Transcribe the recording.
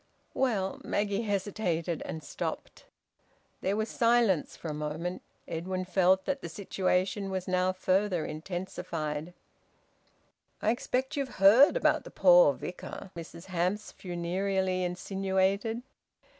"Well " Maggie hesitated, and stopped. There was silence for a moment. Edwin felt that the situation was now further intensified. "I expect you've heard about the poor Vicar," Mrs Hamps funereally insinuated.